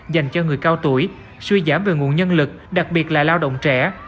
dành cho người cao tuổi suy giảm về nguồn nhân lực đặc biệt là lao động trẻ